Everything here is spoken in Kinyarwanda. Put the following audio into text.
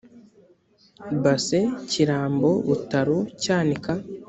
base kirambo butaro cyanika